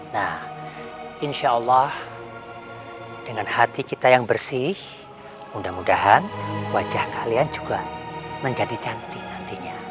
nah insya allah dengan hati kita yang bersih mudah mudahan wajah kalian juga menjadi cantik nantinya